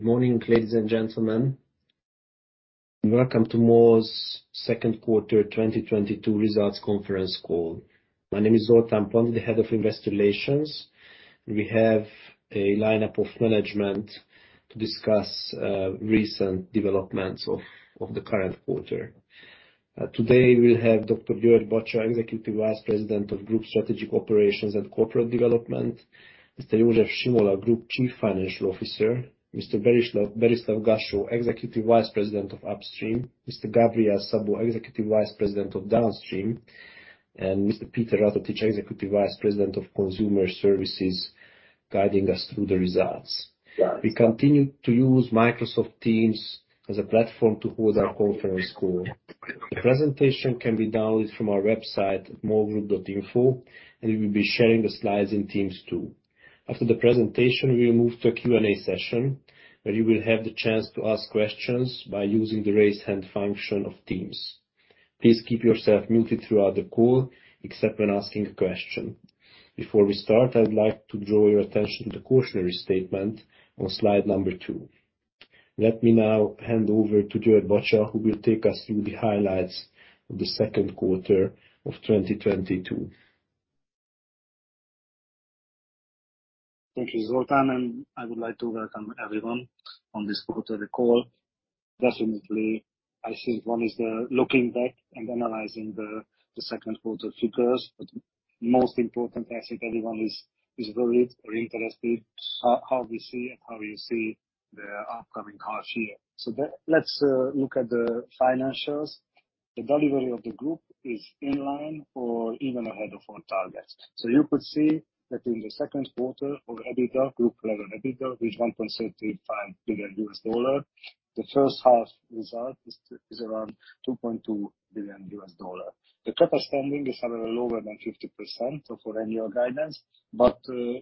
Morning, ladies and gentlemen. Welcome to MOL's second quarter 2022 results conference call. My name is Zoltán Fogarasi, the head of investor relations. We have a line-up of management to discuss recent developments of the current quarter. Today we'll have Dr. György Bacsa, Executive Vice President of Group Strategic Operations and Corporate Development. Mr. József Simola, Group Chief Financial Officer. Mr. Berislav Gašo, Executive Vice President of Upstream. Mr. Gabriel Szabó, Executive Vice President of Downstream, and Mr. Péter Ratatics, Executive Vice President of Consumer Services, guiding us through the results. We continue to use Microsoft Teams as a platform to hold our conference call. The presentation can be downloaded from our website, molgroup.info, and we will be sharing the slides in Teams too. After the presentation, we will move to a Q&A session where you will have the chance to ask questions by using the raise hand function of Teams. Please keep yourself muted throughout the call except when asking a question. Before we start, I'd like to draw your attention to the cautionary statement on slide number two. Let me now hand over to György Bacsa, who will take us through the highlights of the second quarter of 2022. Thank you, Zoltán, and I would like to welcome everyone to this quarterly call. Definitely, I think one is looking back and analyzing the second quarter figures, but most important, I think everyone is worried or interested how we see and how you see the upcoming half year. Let's look at the financials. The delivery of the group is in line or even ahead of our targets. You could see that in the second quarter, our EBITDA, group level EBITDA is $1.65 billion. The first half result is around $2.2 billion. The CapEx standing is a little lower than 50% for annual guidance.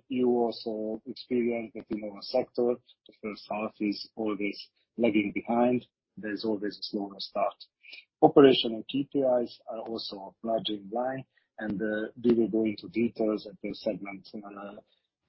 You also experience that in our sector, the first half is always lagging behind. There's always a slower start. Operational KPIs are also largely in line, and we will go into details of the segments in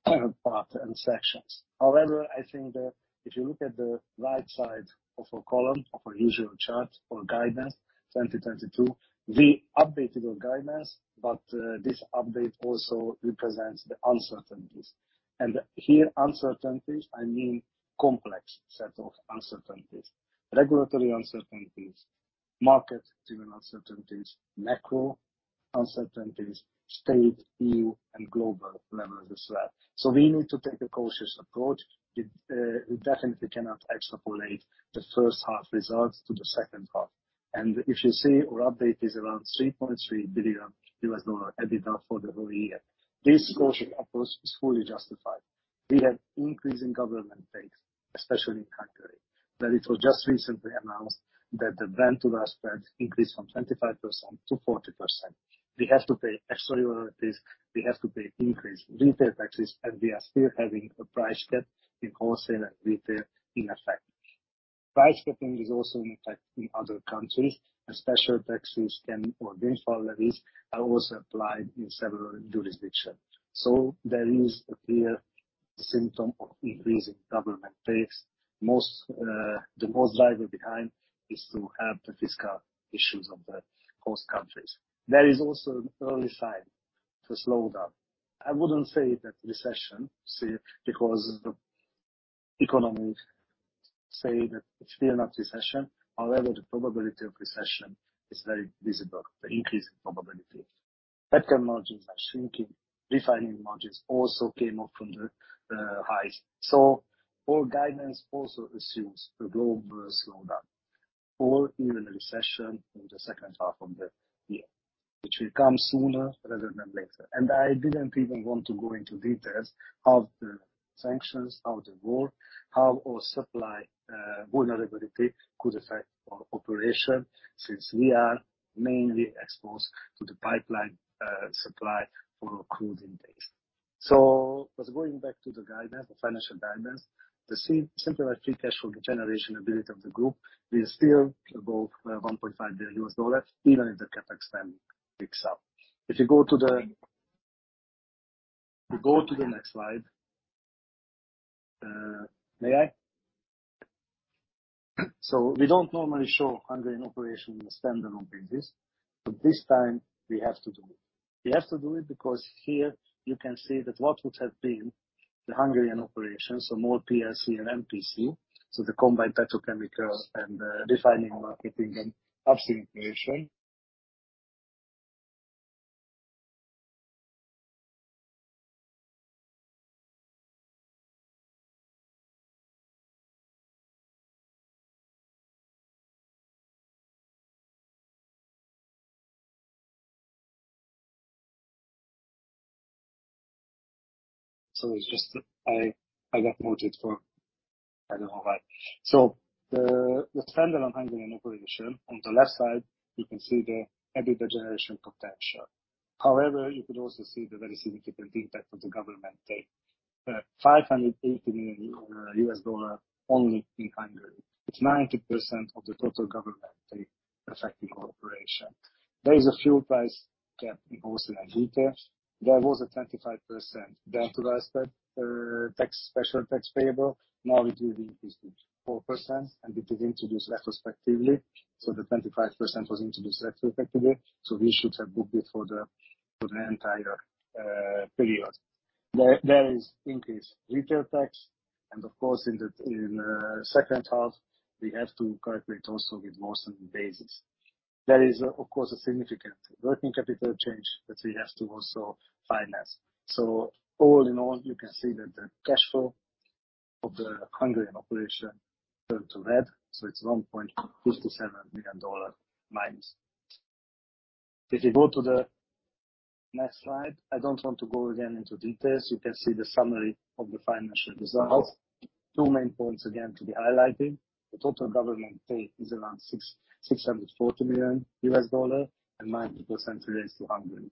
other parts and sections. However, I think that if you look at the right side of a column of our usual chart for guidance 2022, we updated our guidance, but this update also represents the uncertainties. I mean complex set of uncertainties, regulatory uncertainties, market-driven uncertainties, macro uncertainties, state, EU, and global level as well. We need to take a cautious approach. We definitely cannot extrapolate the first half results to the second half. If you see our update is around $3.3 billion EBITDA for the whole year. This cautious approach is fully justified. We have increasing government takes, especially in Hungary. It was just recently announced that the Brent-Urals spread increased from 25% to 40%. We have to pay extra utilities, we have to pay increased retail taxes, and we are still having a price cap in wholesale and retail in effect. Price capping is also in effect in other countries, and special taxes can or windfall levies are also applied in several jurisdictions. There is a clear symptom of increasing government takes. The most driver behind is to help the fiscal issues of the host countries. There is also an early sign to slow down. I wouldn't say that recession, see, because the economists say that it's still not recession. However, the probability of recession is very visible, the increasing probability. Petrochemical margins are shrinking. Refining margins also came off from the highs. Our guidance also assumes a global slowdown or even a recession in the second half of the year, which will come sooner rather than later. I didn't even want to go into details how the sanctions, how the war, how our supply, vulnerability could affect our operation, since we are mainly exposed to the pipeline, supply for our crude intake. Going back to the guidance, the financial guidance, the same, similarly free cash flow generation ability of the group is still above $1.5 billion, even if the CapEx spending picks up. If you go to the next slide. May I? We don't normally show Hungarian operation on a standalone basis, but this time we have to do it. We have to do it because here you can see that what would have been the Hungarian operation, MOL Plc and MPC, the combined petrochemical and refining, marketing and upstream operation. It's just that I got muted for I don't know why. The standalone Hungarian operation, on the left side you can see the EBITDA generation potential. However, you could also see the very significant impact of the government take. $580 million only in Hungary. It's 90% of the total government take affecting cooperation. There is a fuel price cap imposed in retail. There was a 25% virtualized tax, special tax payable. Now it will be increased to 4%, and it is introduced retrospectively. The 25% was introduced retrospectively, so we should have booked it for the entire period. There is increased retail tax, and of course, in the second half, we have to calculate also with monthly basis. There is, of course, a significant working capital change that we have to also finance. All in all, you can see that the cash flow of the Hungarian operation turned to red, so it's -$1.57 million. If you go to the next slide, I don't want to go again into details. You can see the summary of the financial results. Two main points again to be highlighted. The total government take is around $640 million and 90% relates to Hungary.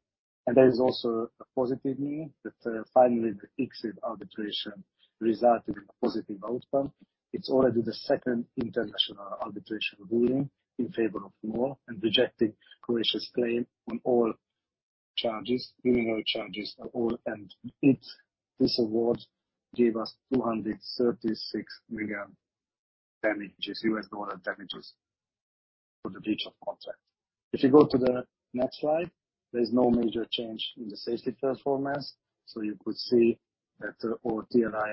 There is also a positive news that finally the ICSID arbitration resulted in a positive outcome. It's already the second international arbitration ruling in favor of MOL and rejecting Croatia's claim on all charges, criminal charges and all, and this award gave us $236 million damages for the breach of contract. If you go to the next slide, there is no major change in the safety performance. You could see that our TRIR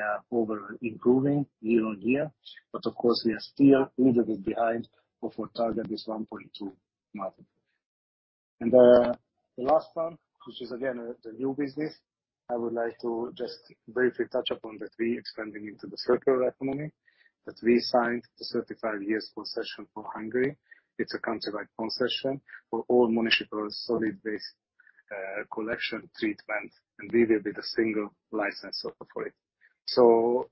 is improving year-on-year. But of course, we are still a little bit behind of our target is 1.20. The last one, which is again the new business, I would like to just briefly touch upon that we expanding into the circular economy, that we signed the 35-year concession for Hungary. It's a country-wide concession for all municipal solid waste, collection treatment, and we will be the single licensor for it.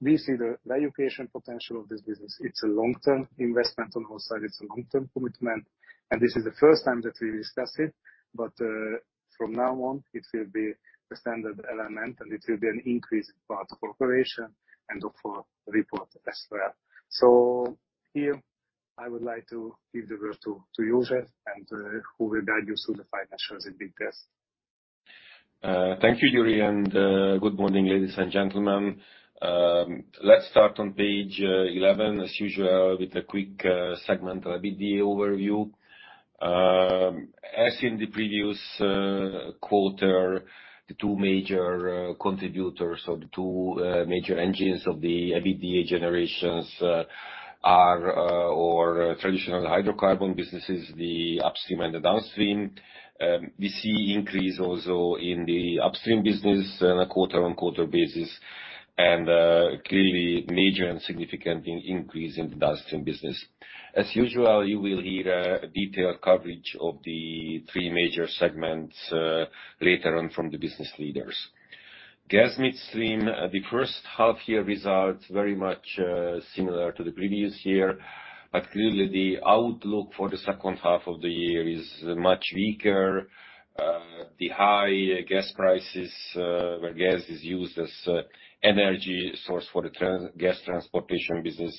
We see the valuation potential of this business. It's a long-term investment on our side, it's a long-term commitment, and this is the first time that we discuss it. From now on, it will be a standard element, and it will be an increased part of operation and of our report as well. Here, I would like to give the word to József and who will guide you through the financials in details. Thank you, György, and good morning, ladies and gentlemen. Let's start on page 11 as usual with a quick segmental EBITDA overview. As in the previous quarter, the two major contributors or the two major engines of the EBITDA generations are our traditional hydrocarbon businesses, the upstream and the downstream. We see increase also in the upstream business on a quarter-on-quarter basis, and clearly major and significant increase in downstream business. As usual, you will hear a detailed coverage of the three major segments later on from the business leaders. Gas Midstream, the first half year results very much similar to the previous year, but clearly the outlook for the second half of the year is much weaker. The high gas prices, where gas is used as energy source for the gas transportation business,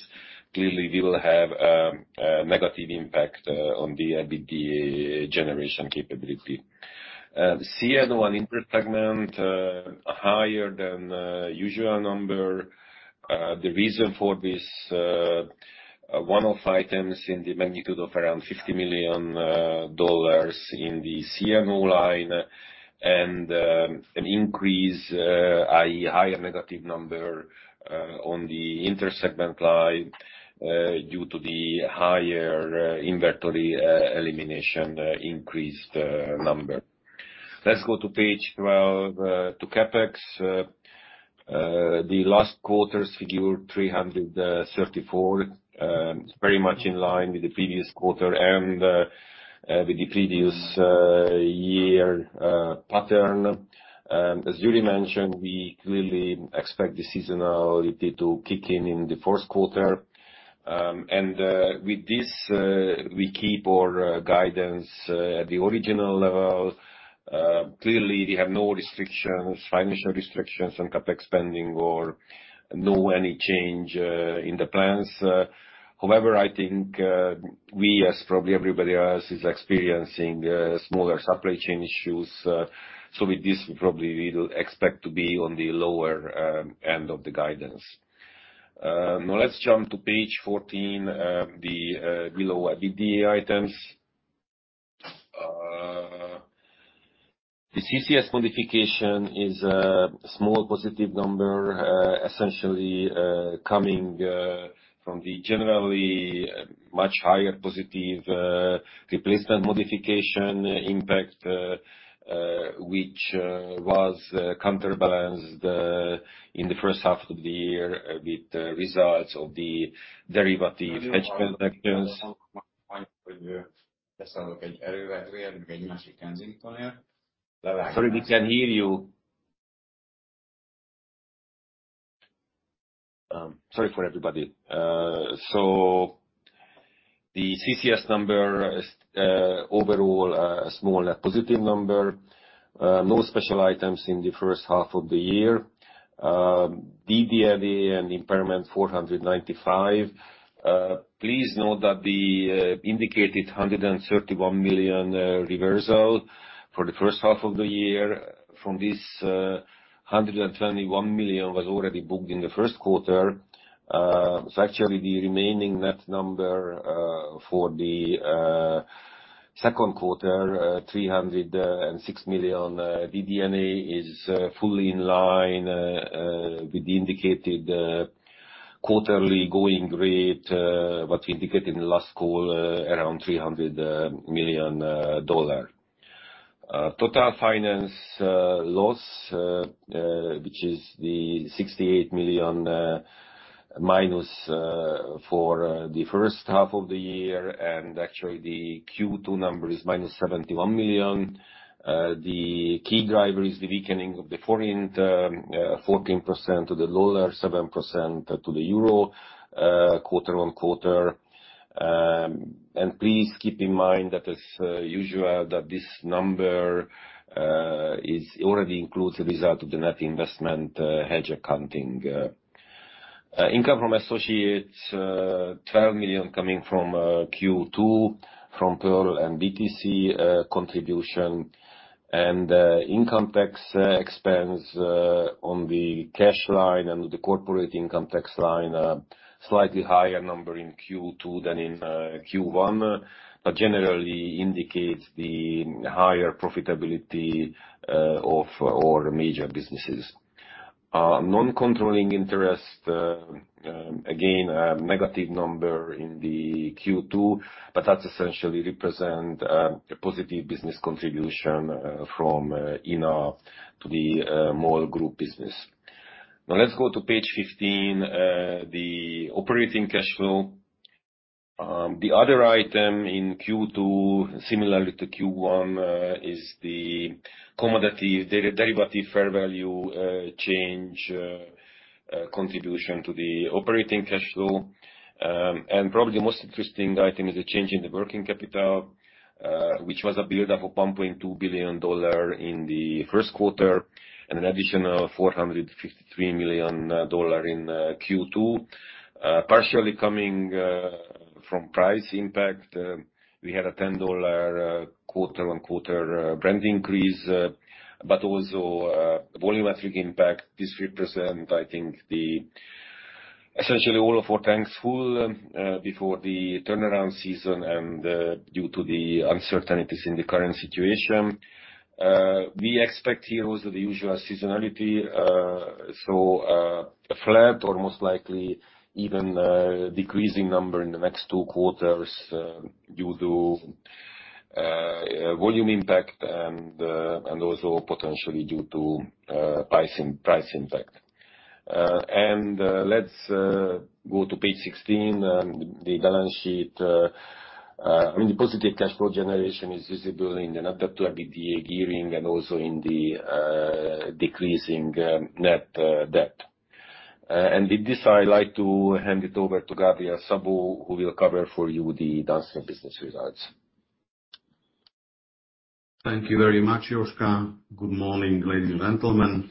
clearly will have a negative impact on the EBITDA generation capability. The CMO and Inter segment higher than usual number. The reason for this one-off items in the magnitude of around $50 million in the CMO line and an increase, i.e., higher negative number on the Inter segment line due to the higher inventory elimination increased number. Let's go to page 12 to CapEx. The last quarter's figure $334 million is very much in line with the previous quarter and with the previous year pattern. As Yuri mentioned, we clearly expect the seasonality to kick in in the fourth quarter. With this, we keep our guidance at the original level. Clearly, we have no financial restrictions on CapEx spending or any change in the plans. However, I think we, as probably everybody else, is experiencing smaller supply chain issues. With this, probably we'll expect to be on the lower end of the guidance. Now let's jump to page 14, the below EBITDA items. The CCS modification is a small positive number, essentially coming from the generally much higher positive replacement modification impact, which was counterbalanced in the first half of the year with the results of the derivative hedge transactions. Sorry, we can't hear you. Sorry for everybody. The CCS number is overall a small net positive number. No special items in the first half of the year. DD&A and impairment $495 million. Please note that the indicated $131 million reversal for the first half of the year from this $121 million was already booked in the first quarter. Actually the remaining net number for the second quarter $306 million DD&A is fully in line with the indicated quarterly going rate what we indicated in the last call around $300 million dollar. Total financial loss, which is the -$68 million for the first half of the year, and actually the Q2 number is -$71 million. The key driver is the weakening of the forint 14% to the dollar, 7% to the euro quarter on quarter. Please keep in mind that as usual this number already includes the result of the net investment hedge accounting. Income from associates $12 million coming from Q2, from Pearl and BTC contribution. Income tax expense on the cash line and the corporate income tax line slightly higher number in Q2 than in Q1, but generally indicates the higher profitability of all the major businesses. Non-controlling interest, again, a negative number in the Q2, but that essentially represent a positive business contribution from INA to the MOL Group business. Now let's go to page 15, the operating cash flow. The other item in Q2, similarly to Q1, is the commodity derivative fair value change contribution to the operating cash flow. And probably the most interesting item is the change in the working capital, which was a buildup of $1.2 billion in the first quarter and an additional $453 million in Q2. Partially coming from price impact, we had a $10 quarter-on-quarter Brent increase, but also volumetric impact. This represent, I think, essentially all of our tanks full, before the turnaround season and, due to the uncertainties in the current situation. We expect here also the usual seasonality, so, a flat or most likely even, decreasing number in the next two quarters, due to, volume impact and also potentially due to, price impact. Let's go to page 16. The balance sheet, I mean the positive cash flow generation is visible in the net debt to EBITDA gearing and also in the, decreasing, net, debt. With this, I'd like to hand it over to Gabriel Szabó, who will cover for you the Downstream business results. Thank you very much, József. Good morning, ladies and gentlemen.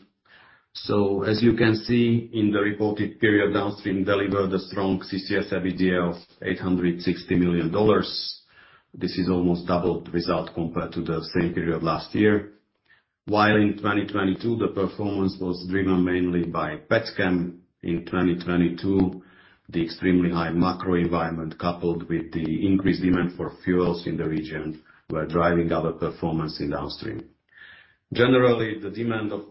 As you can see in the reported period, Downstream delivered a strong CCS EBITDA of $860 million. This is almost double the result compared to the same period last year. While in 2022, the performance was driven mainly by Petchem, in 2022, the extremely high macro environment, coupled with the increased demand for fuels in the region, were driving our performance in Downstream. Generally, the demand for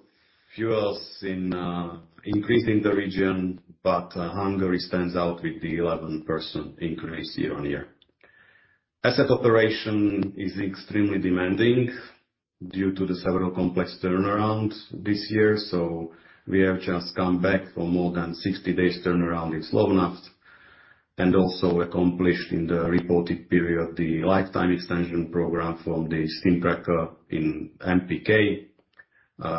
fuels increased in the region, but Hungary stands out with the 11% increase year-on-year. Asset operation is extremely demanding due to the several complex turnarounds this year. We have just come back from more than 60 days turnaround in Slovnaft. Also accomplished in the reported period the lifetime extension program for the steam cracker in MPK,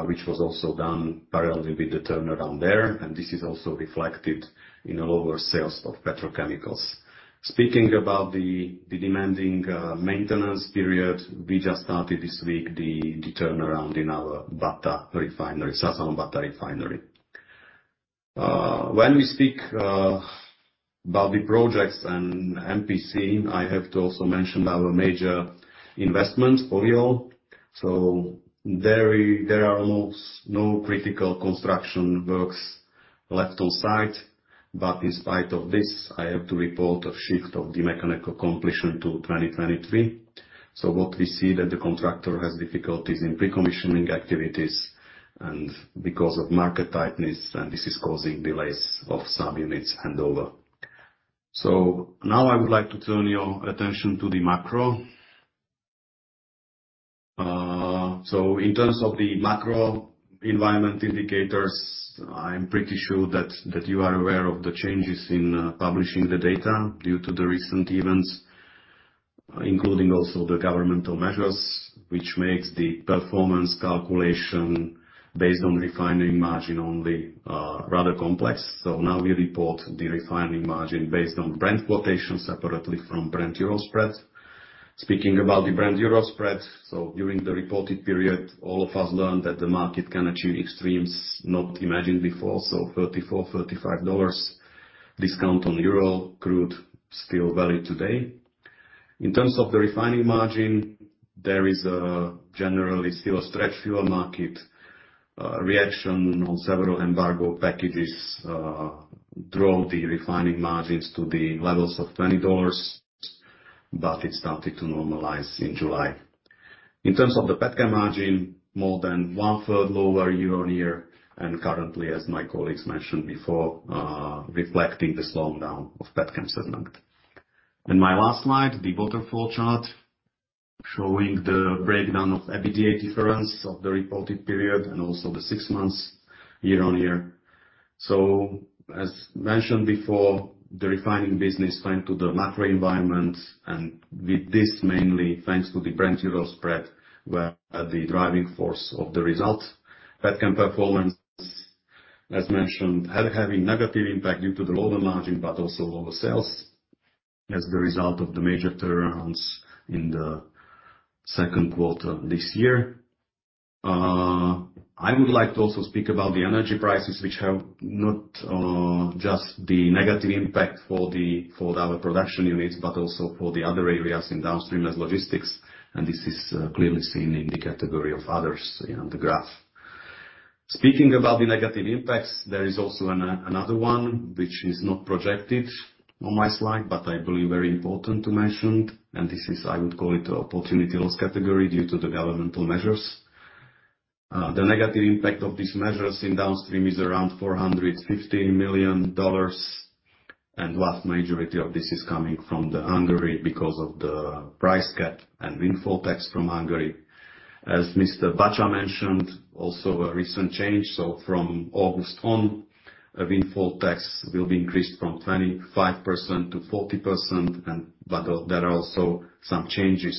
which was also done parallelly with the turnaround there. This is also reflected in the lower sales of petrochemicals. Speaking about the demanding maintenance period, we just started this week the turnaround in our Duna refinery, Százhalombatta refinery. When we speak about the projects and MPC, I have to also mention our major investment, Polyol. There are almost no critical construction works left on site. In spite of this, I have to report a shift of the mechanical completion to 2023. What we see that the contractor has difficulties in pre-commissioning activities and because of market tightness, and this is causing delays of some units handover. Now I would like to turn your attention to the macro. In terms of the macro environment indicators, I'm pretty sure that you are aware of the changes in publishing the data due to the recent events. Including also the governmental measures, which makes the performance calculation based on refining margin only rather complex. Now we report the refining margin based on Brent quotation separately from Brent-Urals spreads. Speaking about the Brent-Urals spreads, during the reported period, all of us learned that the market can achieve extremes not imagined before. $34-$35 discount on Urals crude still valid today. In terms of the refining margins, there is generally still a stretched fuel market. Reaction on several embargo packages drove the refining margins to the levels of $20, but it started to normalize in July. In terms of the petchem margin, more than one-third lower year-on-year, and currently, as my colleagues mentioned before, reflecting the slowdown of petchem segment. My last slide, the waterfall chart showing the breakdown of EBITDA difference of the reported period and also the six months year-on-year. As mentioned before, the refining business thanks to the macro environment, and with this mainly thanks to the Brent-Urals spread were the driving force of the result. Petchem performance, as mentioned, having negative impact due to the lower margin but also lower sales as the result of the major turnarounds in the second quarter this year. I would like to also speak about the energy prices, which have not just the negative impact for our production units, but also for the other areas in downstream as logistics, and this is clearly seen in the category of others in the graph. Speaking about the negative impacts, there is also another one which is not projected on my slide, but I believe very important to mention, and this is I would call it an opportunity loss category due to the governmental measures. The negative impact of these measures in downstream is around $450 million, and vast majority of this is coming from Hungary because of the price cap and windfall tax from Hungary. As Mr. Bacsa mentioned, also a recent change. From August on, a windfall tax will be increased from 25% to 40% and, but there are also some changes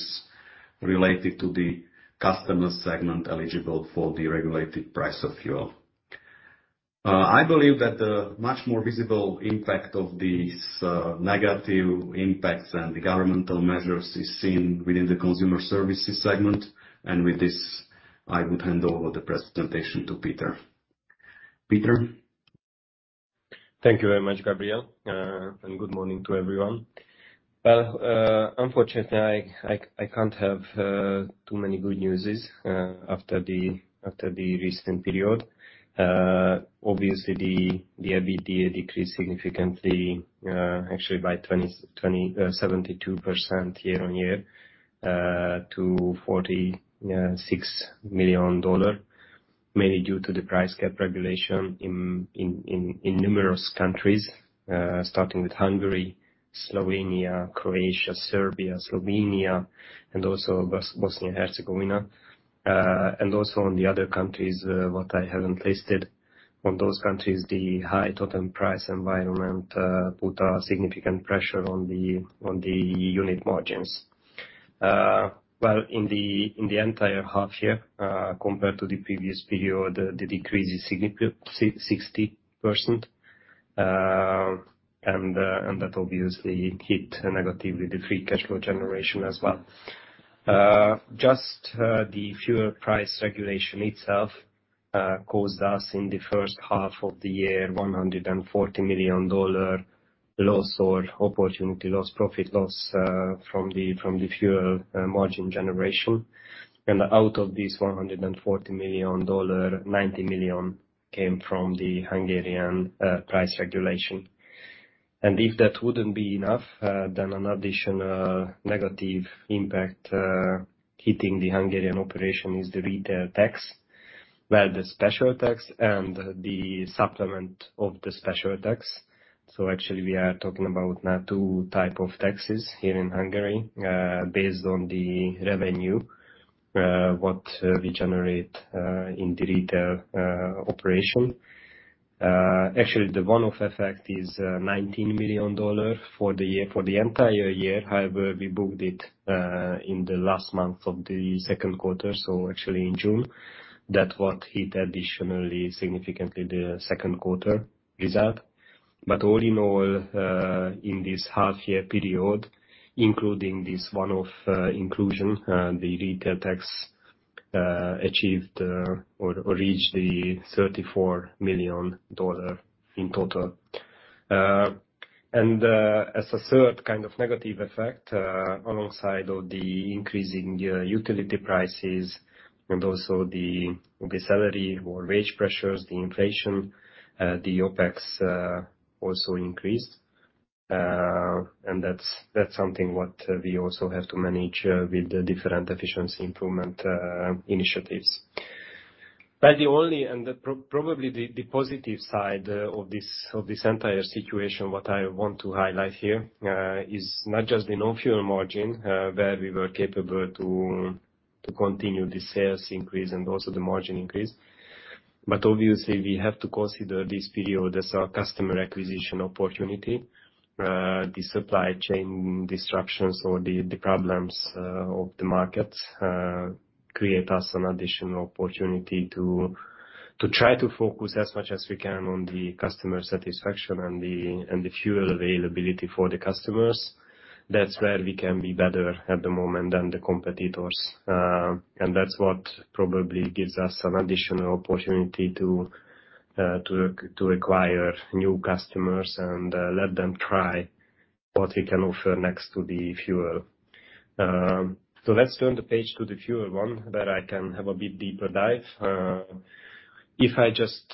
related to the customer segment eligible for the regulated price of fuel. I believe that the much more visible impact of these negative impacts and the governmental measures is seen within the consumer services segment. With this, I would hand over the presentation to Peter. Peter? Thank you very much, Gabriel. Good morning to everyone. Unfortunately, I can't have too many good news after the recent period. Obviously, the EBITDA decreased significantly, actually by 72% year-on-year, to $46 million, mainly due to the price cap regulation in numerous countries, starting with Hungary, Slovenia, Croatia, Serbia, and also Bosnia and Herzegovina. Also on the other countries what I haven't listed. On those countries, the high total price environment put a significant pressure on the unit margins. In the entire half year, compared to the previous period, the decrease is significant, 60%. That obviously hit negatively the free cash flow generation as well. Just the fuel price regulation itself caused us in the first half of the year $140 million loss or opportunity loss, profit loss from the fuel margin generation. Out of this $140 million, $90 million came from the Hungarian price regulation. If that wouldn't be enough, then an additional negative impact hitting the Hungarian operation is the retail tax. Well, the special tax and the supplement of the special tax. Actually we are talking about now two type of taxes here in Hungary based on the revenue what we generate in the retail operation. Actually, the one-off effect is $19 million for the year for the entire year. However, we booked it in the last month of the second quarter, so actually in June. That what hit additionally significantly the second quarter result. All in all, in this half year period, including this one-off inclusion, the retail tax achieved or reached $34 million in total. As a third kind of negative effect, alongside of the increasing utility prices and also the salary or wage pressures, the inflation, the OpEx also increased. That's something what we also have to manage with the different efficiency improvement initiatives. Well, the only and probably the positive side of this entire situation, what I want to highlight here, is not just the non-fuel margin, where we were capable to continue the sales increase and also the margin increase. Obviously, we have to consider this period as our customer acquisition opportunity. The supply chain disruptions or the problems of the markets create us an additional opportunity to try to focus as much as we can on the customer satisfaction and the fuel availability for the customers. That's where we can be better at the moment than the competitors. That's what probably gives us an additional opportunity to acquire new customers and let them try what we can offer next to the fuel. Let's turn the page to the fuel one, where I can have a bit deeper dive. If I just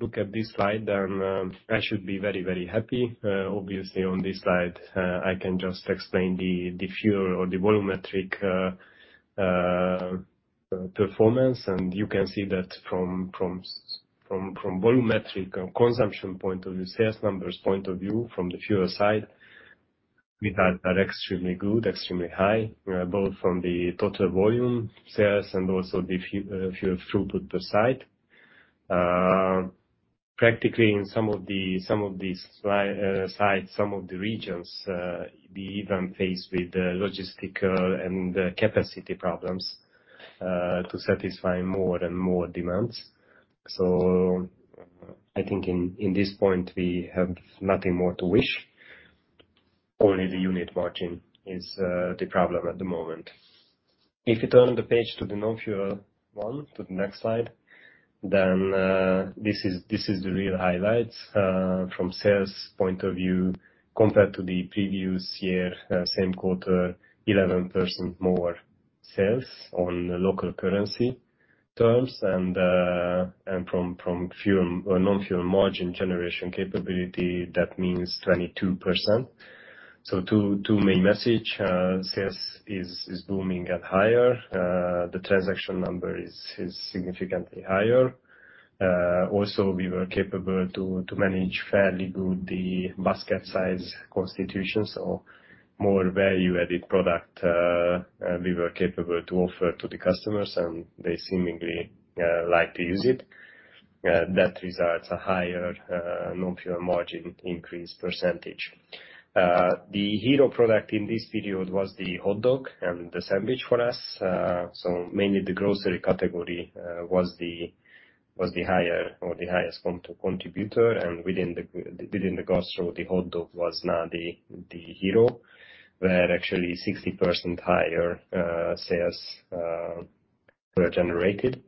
look at this slide, then I should be very happy. Obviously on this slide, I can just explain the fuel or the volumetric performance. You can see that from volumetric and consumption point of view, sales numbers point of view, from the fuel side, we are extremely good, extremely high, both from the total volume sales and also the fuel throughput per site. Practically in some of these sites, some of the regions, we even faced with logistical and capacity problems to satisfy more and more demands. I think at this point, we have nothing more to wish. Only the unit margin is the problem at the moment. If you turn the page to the non-fuel one, to the next slide, then this is the real highlights. From sales point of view, compared to the previous year, same quarter, 11% more sales on local currency terms. From non-fuel margin generation capability, that means 22%. Two main messages. Sales is booming and higher. The transaction number is significantly higher. Also we were capable to manage fairly good the basket size composition. More value-added product we were capable to offer to the customers, and they seemingly like to use it. That results in a higher non-fuel margin increase percentage. The hero product in this period was the hot dog and the sandwich for us. Mainly the grocery category was the higher or the highest contributor. Within the grocery, the hot dog was now the hero, where actually 60% higher sales were generated.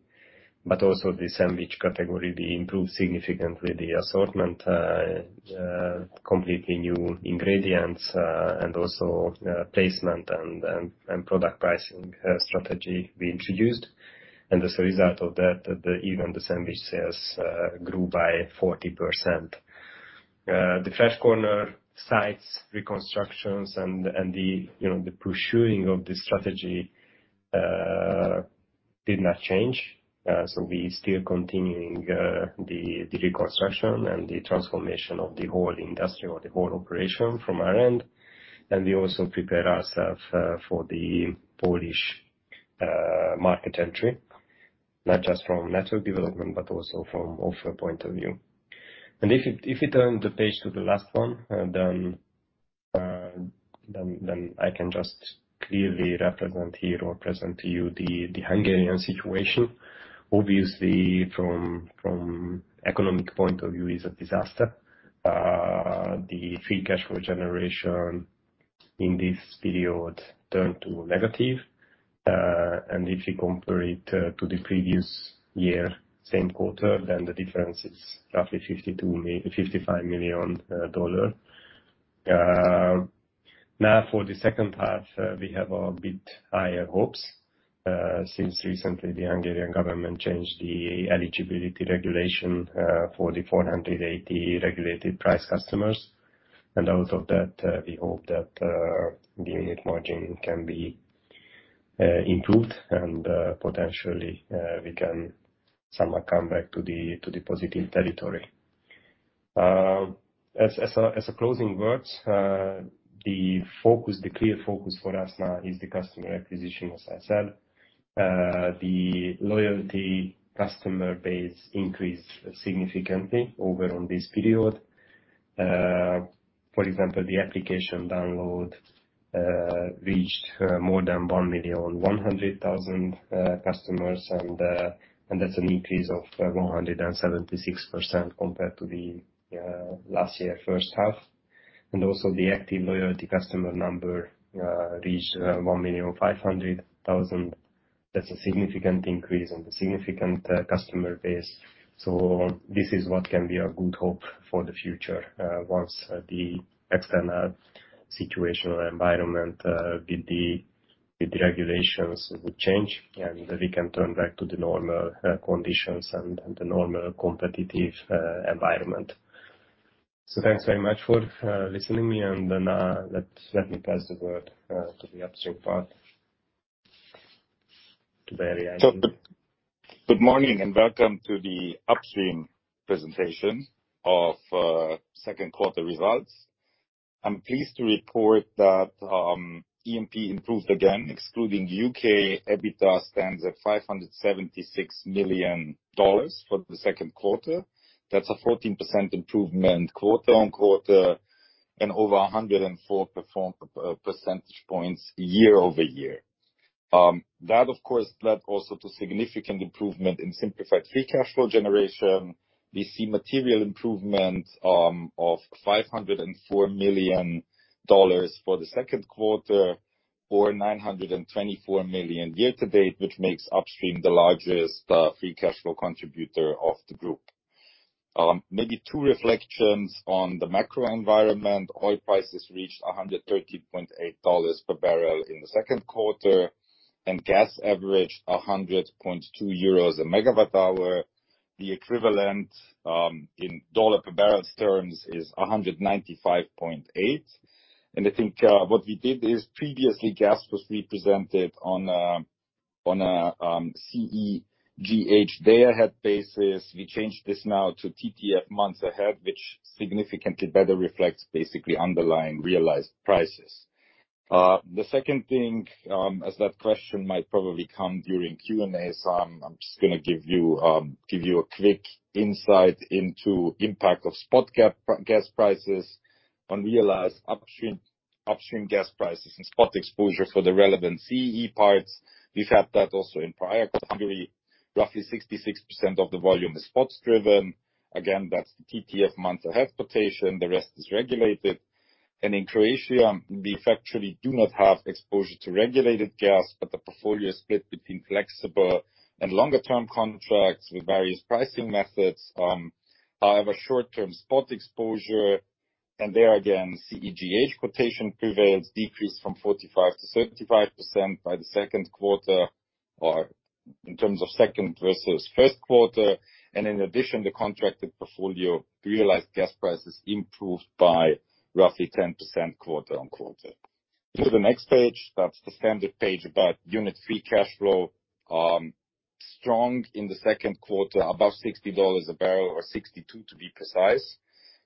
Also the sandwich category, we improved significantly the assortment, completely new ingredients, and also placement and product pricing strategy we introduced. As a result of that, even the sandwich sales grew by 40%. The Fresh Corner sites reconstructions and the pursuing of the strategy did not change. We still continuing the reconstruction and the transformation of the whole industry or the whole operation from our end. We also prepare ourselves for the Polish market entry, not just from network development, but also from offer point of view. If you turn the page to the last one, then I can just clearly present to you the Hungarian situation. Obviously from economic point of view is a disaster. The free cash flow generation in this period turned to negative. If you compare it to the previous year, same quarter, then the difference is roughly $55 million. Now for the second half, we have a bit higher hopes, since recently the Hungarian government changed the eligibility regulation for the 480 regulated price customers. Out of that, we hope that the unit margin can be improved and potentially we can somewhat come back to the positive territory. As a closing words, the clear focus for us now is the customer acquisition, as I said. The loyalty customer base increased significantly over this period. For example, the application download reached more than 1,100,000 customers and that's an increase of 176% compared to the last year first half. Also the active loyalty customer number reached 1,500,000. That's a significant increase and a significant customer base. So this is what can be our good hope for the future, once the external situational environment with the regulations would change and we can turn back to the normal conditions and the normal competitive environment. Thanks very much for listening me and then let me pass the word to the upstream part. To Berislav. Good morning and welcome to the upstream presentation of second quarter results. I'm pleased to report that E&P improved again. Excluding U.K., EBITDA stands at $576 million for the second quarter. That's a 14% improvement quarter-on-quarter, and over 104 percentage points year-over-year. That of course led also to significant improvement in simplified free cash flow generation. We see material improvement of $504 million for the second quarter, or $924 million year-to-date, which makes upstream the largest free cash flow contributor of the group. Maybe two reflections on the macro environment. Oil prices reached $138.8 per barrel in the second quarter, and gas averaged 100.2 euros per megawatt-hour. The equivalent in dollars per barrel terms is $195.8. I think what we did is previously gas was represented on a CEGH day ahead basis. We changed this now to TTF months ahead, which significantly better reflects basically underlying realized prices. The second thing, as that question might probably come during Q&A, so I'm just gonna give you a quick insight into impact of spot gas prices on realized upstream gas prices and spot exposure for the relevant CEE parts. We've had that also in prior quarterly. Roughly 66% of the volume is spots driven. Again, that's the TTF month ahead quotation, the rest is regulated. In Croatia, we factually do not have exposure to regulated gas, but the portfolio is split between flexible and longer-term contracts with various pricing methods. However, short-term spot exposure, and there again, CEGH quotation prevails, decreased from 45%-35% by the second quarter, or in terms of second versus first quarter. In addition, the contracted portfolio realized gas prices improved by roughly 10% quarter-on-quarter. Go to the next page, that's the standard page about unit free cash flow. Strong in the second quarter, above $60 a barrel or $62 to be precise.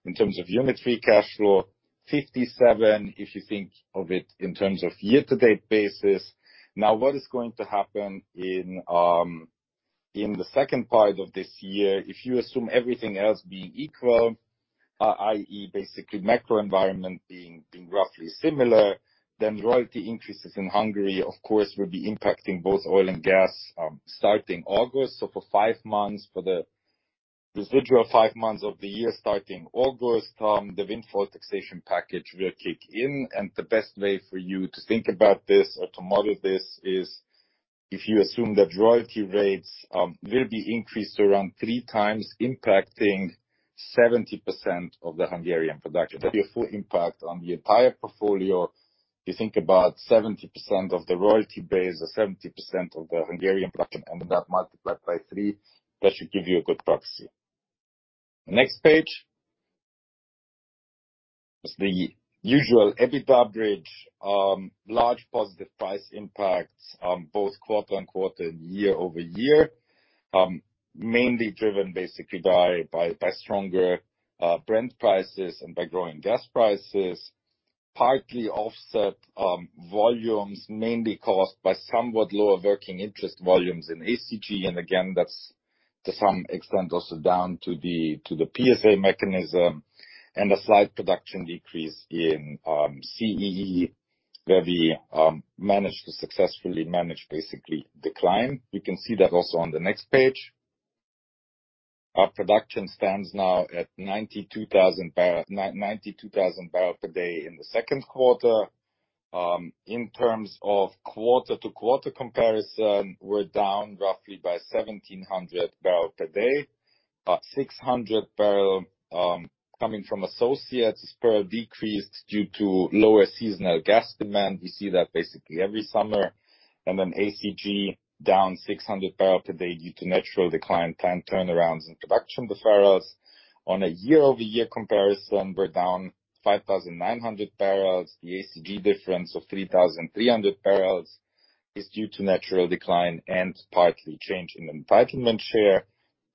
In terms of unit free cash flow, $57, if you think of it in terms of year-to-date basis. Now, what is going to happen in the second part of this year, if you assume everything else being equal, i.e., basically macro environment being roughly similar, then royalty increases in Hungary, of course, will be impacting both oil and gas, starting August. So for five months, for the residual five months of the year starting August, the windfall taxation package will kick in. The best way for you to think about this or to model this is if you assume that royalty rates will be increased around three times, impacting 70% of the Hungarian production. That'll be a full impact on the entire portfolio. You think about 70% of the royalty base, or 70% of the Hungarian production, and then that multiplied by three, that should give you a good proxy. Next page. The usual EBITDA bridge, large positive price impacts, both quarter-on-quarter and year-over-year, mainly driven basically by stronger Brent prices and by growing gas prices, partly offset, volumes mainly caused by somewhat lower working interest volumes in ACG. Again, that's to some extent also down to the PSA mechanism and a slight production decrease in CEE, where we managed to successfully manage basically decline. You can see that also on the next page. Our production stands now at 92,000 barrel per day in the second quarter. In terms of quarter-to-quarter comparison, we're down roughly by 1,700 barrel per day. 600 barrel coming from associates decreased due to lower seasonal gas demand. We see that basically every summer. ACG down 600 barrels per day due to natural decline, time turnarounds and production deferrals. On a year-over-year comparison, we're down 5,900 barrels. The ACG difference of 3,300 barrels is due to natural decline and partly change in entitlement share.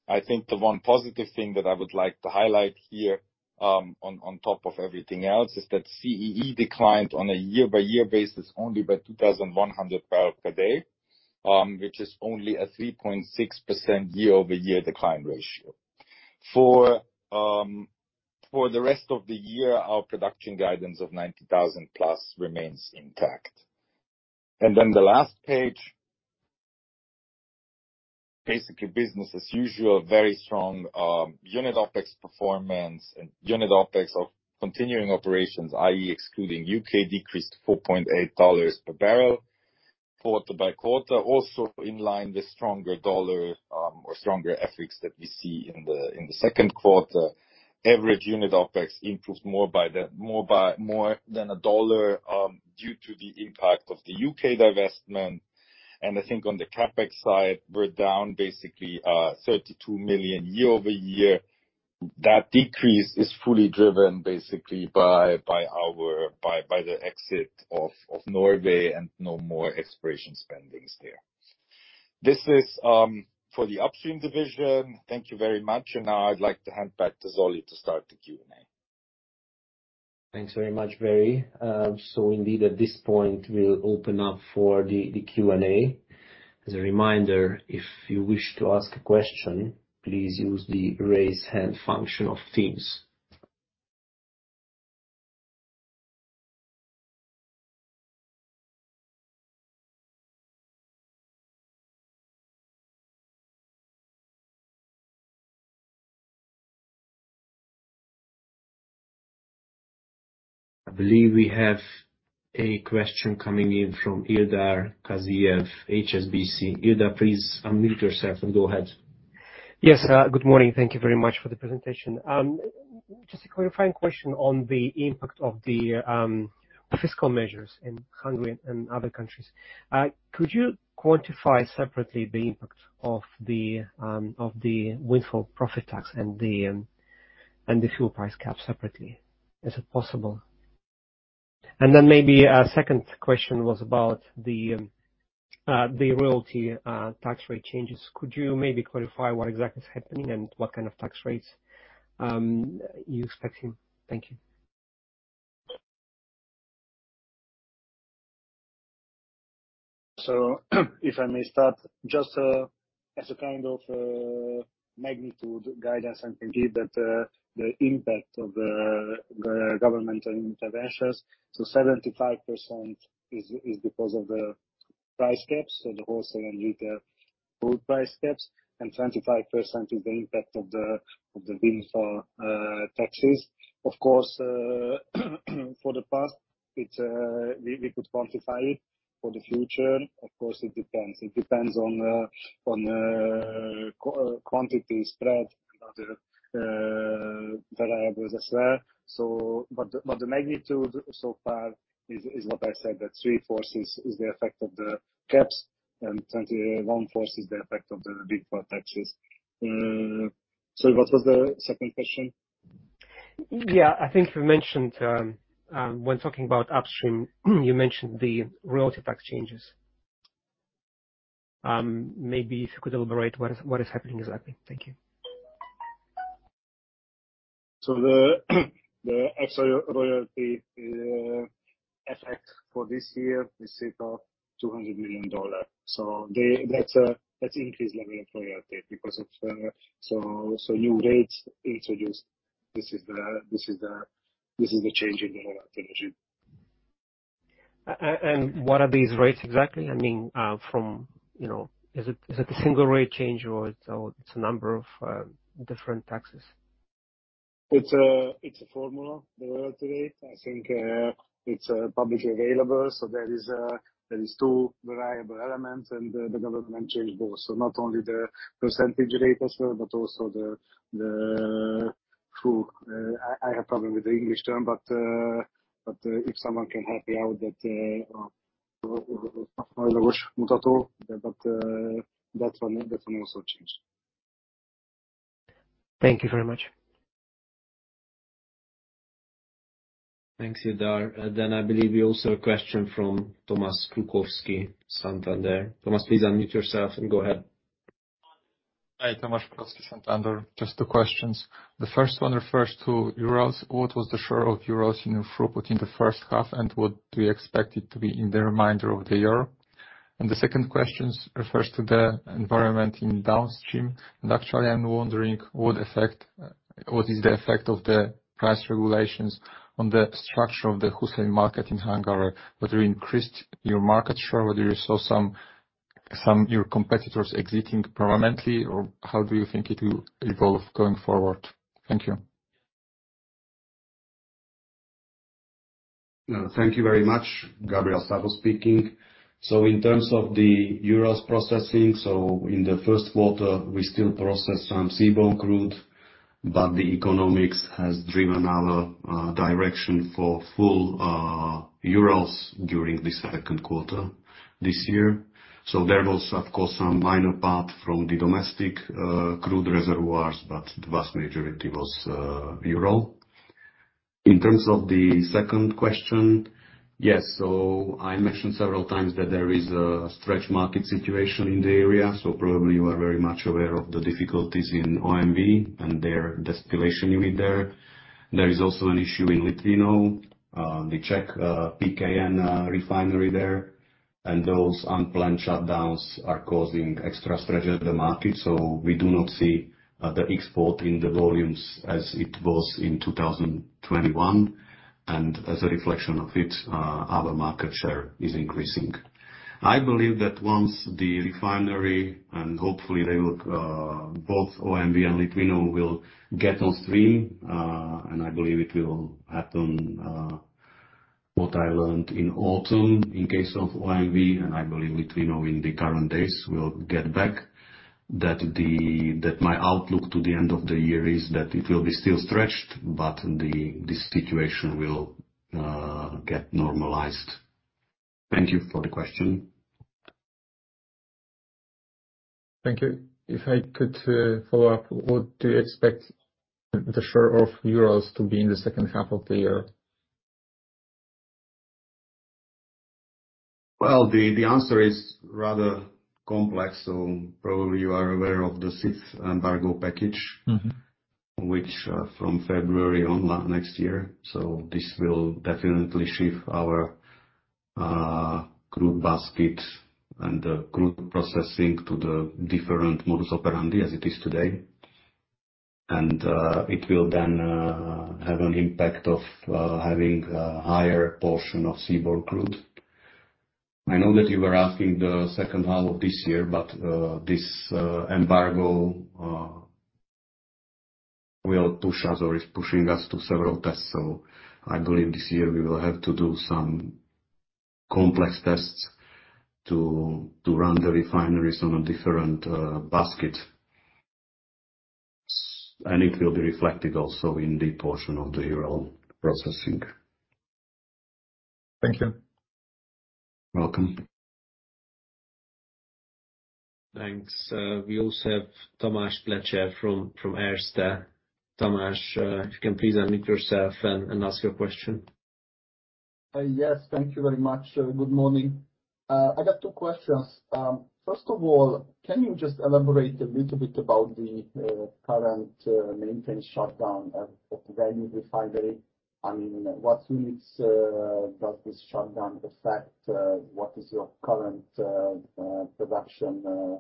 I think the one positive thing that I would like to highlight here, on top of everything else, is that CEE declined on a year-over-year basis only by 2,100 barrels per day, which is only a 3.6% year-over-year decline ratio. For the rest of the year, our production guidance of 90,000 plus remains intact. The last page. Basically, business as usual, very strong unit OpEx performance and unit OpEx of continuing operations, i.e. excluding U.K., decreased to $4.8 per barrel. Quarter by quarter, also in line with stronger dollar or stronger HUF that we see in the second quarter. Average unit OpEx improved more than a dollar due to the impact of the U.K. divestment. I think on the CapEx side, we're down basically $32 million year-over-year. That decrease is fully driven basically by our exit of Norway and no more exploration spending there. This is for the upstream division. Thank you very much. Now I'd like to hand back to Zoltán to start the Q&A. Thanks very much, Beri. Indeed, at this point, we'll open up for the Q&A. As a reminder, if you wish to ask a question, please use the raise hand function of Teams. I believe we have a question coming in from Ildar Khaziev, HSBC. Ildar, please unmute yourself and go ahead. Yes. Good morning. Thank you very much for the presentation. Just a clarifying question on the impact of the fiscal measures in Hungary and other countries. Could you quantify separately the impact of the windfall profit tax and the fuel price cap separately, is it possible? Then maybe a second question was about the royalty tax rate changes. Could you maybe clarify what exactly is happening and what kind of tax rates you're expecting? Thank you. If I may start, just as a kind of magnitude guidance I can give that the impact of the governmental interventions to 75% is because of the price caps and wholesale and retail food price caps, and 25% is the impact of the windfall taxes. Of course, for the past we could quantify it. For the future, of course, it depends. It depends on quantity spread and other variables as well. But the magnitude so far is what I said, that three-fourths is the effect of the caps and one-fourth is the effect of the windfall taxes. Sorry, what was the second question? Yeah, I think you mentioned when talking about upstream, you mentioned the royalty tax changes. Maybe if you could elaborate what is happening exactly. Thank you. The royalty effect for this year is equal $200 million. That's increased level of royalty because of so new rates introduced. This is the change in the royalty regime. What are these rates exactly? I mean, from, you know. Is it a single rate change or it's a number of different taxes? It's a formula, the royalty rate. I think it's publicly available, so there is two variable elements, and the government changed both. Not only the percentage rate as well, but also the through. I have problem with the English term, but if someone can help me out that, but that one also changed. Thank you very much. Thanks, Ildar. I believe we also have a question from Tomasz Krukowski, Santander. Tomasz, please unmute yourself and go ahead. Hi. Tomasz Krukowski, Santander. Just two questions. The first one refers to Urals. What was the share of Urals in throughput in the first half, and what do you expect it to be in the remainder of the year? The second questions refers to the environment in downstream. Actually, I'm wondering what is the effect of the price regulations on the structure of the wholesale market in Hungary? Whether you increased your market share, whether you saw some your competitors exiting permanently, or how do you think it will evolve going forward? Thank you. Thank you very much. Gabriel Szabó speaking. In terms of the Urals processing, in the first quarter we still processed some seaborne crude, but the economics has driven our direction for full Urals during the second quarter this year. There was, of course, some minor part from the domestic crude reservoirs, but the vast majority was Urals. In terms of the second question, yes, I mentioned several times that there is a stretched market situation in the area. Probably you are very much aware of the difficulties in OMV and their distillation unit there. There is also an issue in Litvínov, the Czech Unipetrol refinery there. Those unplanned shutdowns are causing extra stretch in the market. We do not see the export in the volumes as it was in 2021. As a reflection of it, our market share is increasing. I believe that once the refinery and hopefully they will, both OMV and Litvínov will get on stream, and I believe it will happen, what I learned in autumn in case of OMV, and I believe Litvínov in the current days will get back, that my outlook to the end of the year is that it will be still stretched, but this situation will get normalized. Thank you for the question. Thank you. If I could, follow up, what do you expect the share of Urals to be in the second half of the year? Well, the answer is rather complex. Probably you are aware of the sixth embargo package. Mm-hmm. Which from February on, next year. This will definitely shift our crude basket and the crude processing to the different modus operandi as it is today. It will then have an impact of having a higher portion of seaborne crude. I know that you were asking the second half of this year, but this embargo will push us or is pushing us to several tests. I believe this year we will have to do some complex tests to run the refineries on a different basket. It will be reflected also in the portion of the overall processing. Thank you. Welcome. Thanks. We also have Tamás Pletser from Erste. Tamás, if you can please unmute yourself and ask your question. Yes. Thank you very much. Good morning. I got two questions. First of all, can you just elaborate a little bit about the current maintenance shutdown at the Vienna refinery? I mean, what units does this shutdown affect? What is your current production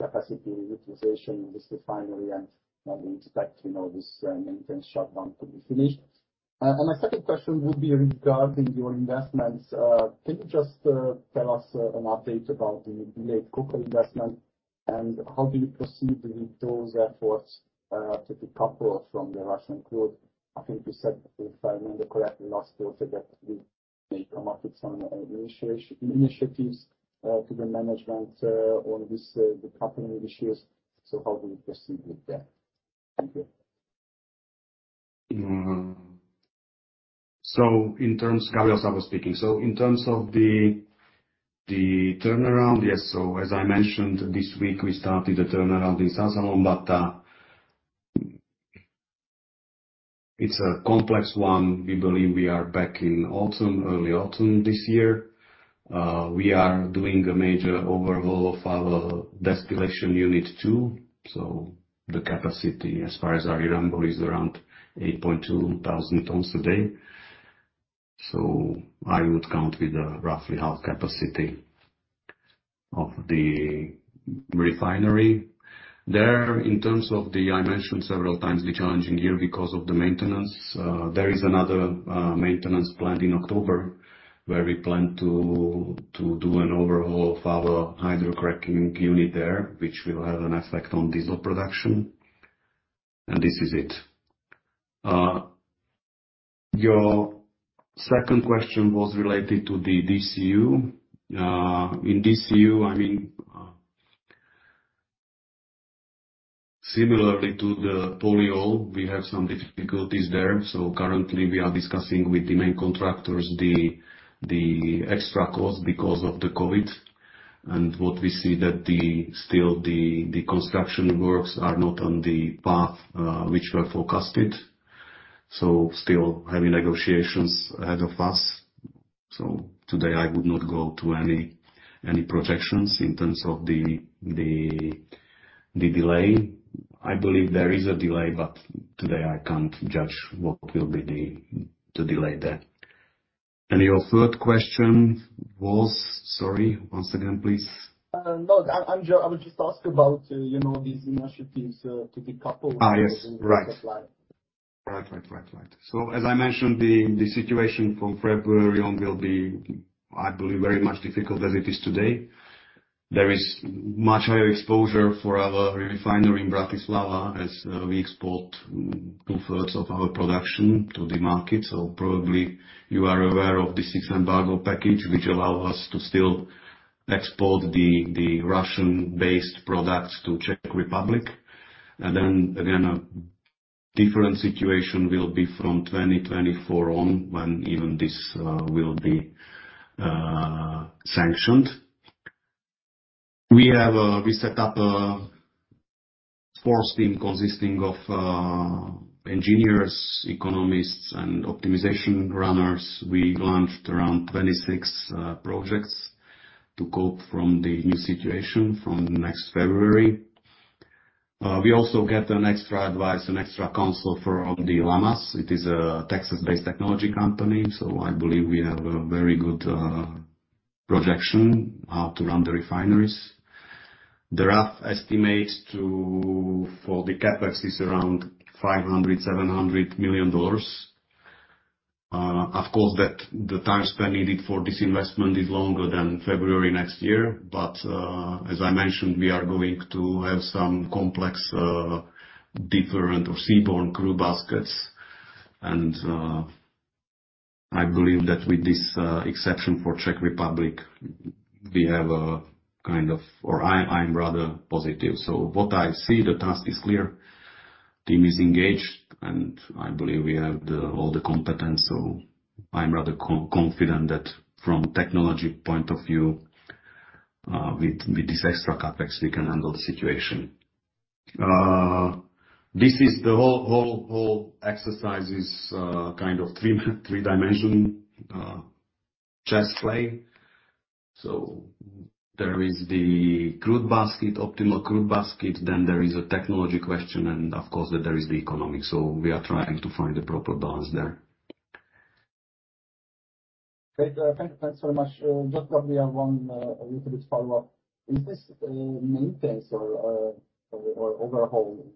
capacity utilization in this refinery? And when we expect, you know, this maintenance shutdown to be finished? And my second question would be regarding your investments. Can you just tell us an update about the delayed coker investment? And how do you proceed with those efforts to decouple from the Russian crude? I think you said, if I remember correctly, last quarter that you may come up with some initiative, initiatives to the management on this decoupling issues. How do you proceed with that? Thank you. In terms of the turnaround. Yes. As I mentioned, this week, we started the turnaround in Százhalombatta. It's a complex one. We believe we are back in autumn, early autumn this year. We are doing a major overhaul of our distillation unit two. The capacity, as far as I remember, is around 8,200 tons a day. I would count with roughly half capacity of the refinery there. I mentioned several times the challenging year because of the maintenance. There is another maintenance planned in October, where we plan to do an overhaul of our hydrocracking unit there, which will have an effect on diesel production. This is it. Your second question was related to the DCU. In DCU, I mean, similarly to the Polyol, we have some difficulties there. Currently, we are discussing with the main contractors the extra cost because of the COVID. What we see that still the construction works are not on the path which were forecasted. Still having negotiations ahead of us. Today, I would not go to any projections in terms of the delay. I believe there is a delay, but today I can't judge what will be the delay there. Your third question was? Sorry, once again, please. No. I would just ask about, you know, these initiatives to decouple. Yes. Right. from the Russian supply. Right. As I mentioned, the situation from February on will be, I believe, very much difficult as it is today. There is much higher exposure for our refinery in Bratislava as we export two-thirds of our production to the market. Probably you are aware of the sixth embargo package, which allow us to still export the Russian-based products to Czech Republic. Then again, a different situation will be from 2024 on, when even this will be sanctioned. We set up a core team consisting of engineers, economists, and optimization runners. We launched around 26 projects to cope from the new situation from next February. We also get an extra advice and extra counsel from Lummus. It is a Texas-based technology company, so I believe we have a very good projection how to run the refineries. The rough estimates for the CapEx is around $500-$700 million. Of course the time span needed for this investment is longer than February next year. As I mentioned, we are going to have some complex different or seaborne crude baskets. I believe that with this exception for Czech Republic, I'm rather positive. What I see, the task is clear. Team is engaged, and I believe we have all the competence. I'm rather confident that from technology point of view, with this extra CapEx, we can handle the situation. This is the whole exercise, kind of three-dimensional chess play. So there is the crude basket, optimal crude basket, then there is a technology question, and of course, there is the economic. We are trying to find the proper balance there. Great. Thanks very much. Just probably have one little bit follow-up. Is this maintenance or overhaul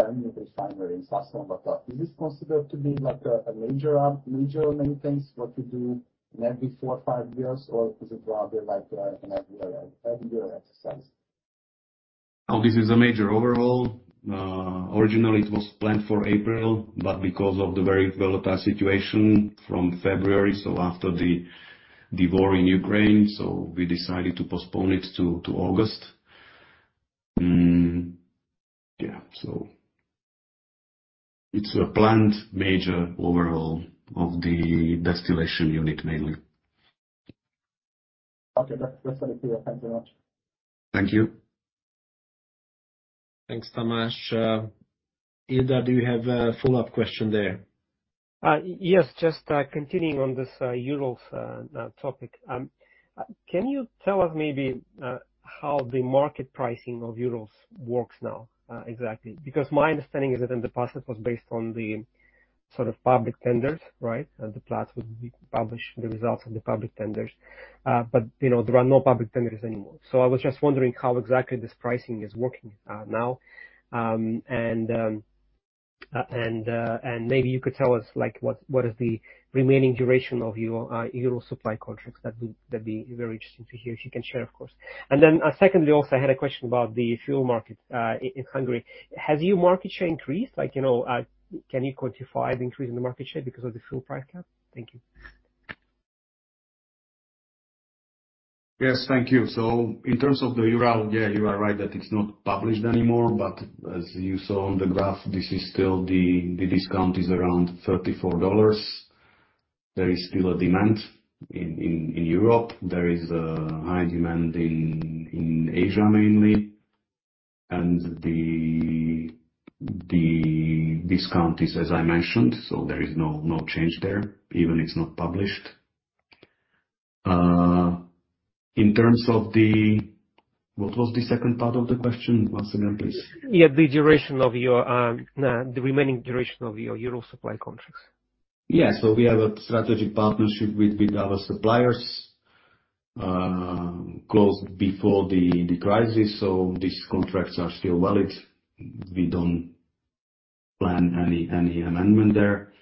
done in the refinery in Százhalombatta? Is this considered to be like a major maintenance what you do maybe four or five years? Is it rather like an annual exercise? This is a major overhaul. Originally it was planned for April, but because of the very volatile situation from February after the war in Ukraine, we decided to postpone it to August. It's a planned major overhaul of the distillation unit mainly. Okay. That's clear. Thanks very much. Thank you. Thanks, Tamás. Ildar, do you have a follow-up question there? Yes. Just continuing on this Urals topic. Can you tell us maybe how the market pricing of Urals works now exactly? Because my understanding is that in the past it was based on the sort of public tenders, right? The lots would be published, the results of the public tenders. But you know, there are no public tenders anymore. So I was just wondering how exactly this pricing is working now. And maybe you could tell us, like what is the remaining duration of Urals supply contracts. That'd be very interesting to hear if you can share, of course. Then, secondly, also, I had a question about the fuel market in Hungary. Has your market share increased? Like, you know, can you quantify the increase in the market share because of the fuel price cap? Thank you. Yes. Thank you. In terms of the Urals, yeah, you are right that it's not published anymore. As you saw on the graph, this is still the discount is around $34. There is still a demand in Europe. There is a high demand in Asia mainly. The discount is, as I mentioned, so there is no change there, even it's not published. In terms of the, what was the second part of the question? Once again, please. Yeah. The remaining duration of your Urals supply contracts. Yeah. We have a strategic partnership with our suppliers, closed before the crisis. These contracts are still valid. We don't plan any amendment there.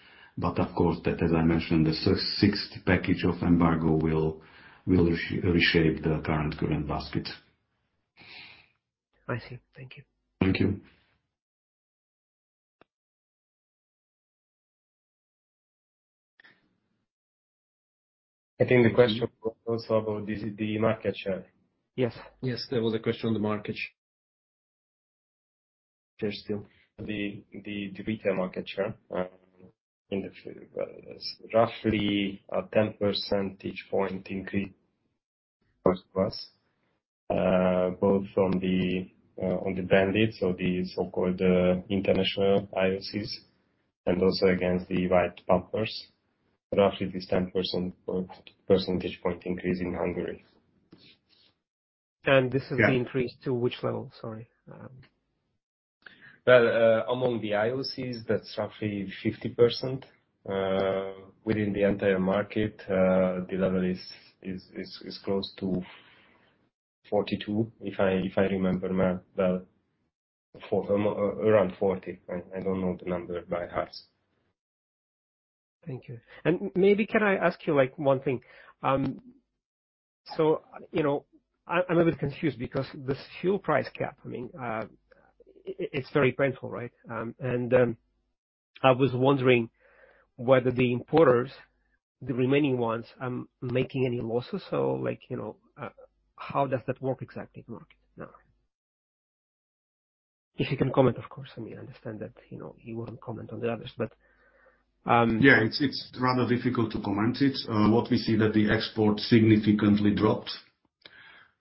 Of course, that, as I mentioned, the sixth package of embargo will reshape the current basket. I see. Thank you. Thank you. I think the question was also about the market share. Yes, there was a question on the market share still. The retail market share in the This is the increase to which level? Sorry. Well, among the IOCs, that's roughly 50%. Within the entire market, the level is close to 42, if I remember well. Well, around 40. I don't know the number by heart. Thank you. Maybe can I ask you, like, one thing? So, you know, I'm a bit confused because this fuel price cap, I mean, it's very painful, right? I was wondering whether the importers, the remaining ones, making any losses or like, you know, how does that work exactly in the market now? If you can comment, of course. I mean, I understand that, you know, you won't comment on the others, but. Yeah. It's rather difficult to comment on it. What we see that the export significantly dropped.